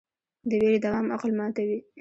د ویرې دوام عقل ماتوي.